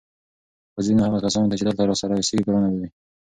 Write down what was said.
خو ځینو هغه کسانو ته چې دلته راسره اوسېږي ګرانه به وي